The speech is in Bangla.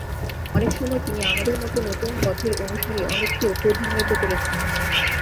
অনেক সময় তিনি আমাদের মতো নতুন পথের অনুসারী অনেককেও ক্রোধান্বিত করেছেন।